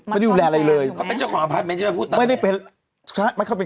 ไม่ได้ดูแลอะไรเลยเขาเป็นเจ้าของพักไม่ได้เป็น